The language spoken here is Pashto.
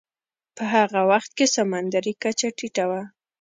په هغه وخت کې سمندرې کچه ټیټه وه.